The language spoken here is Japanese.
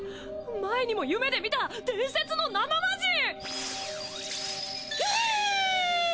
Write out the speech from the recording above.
前にも夢で見た伝説の７マジン！